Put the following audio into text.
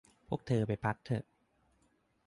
พวกเธอไปพักเถอะ